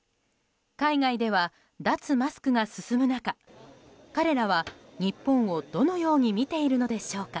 海外では脱マスクが進む中彼らは日本をどのように見ているのでしょうか。